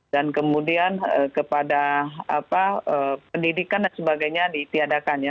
dan kemudian kepada pendidikan dan sebagainya di tiadakan ya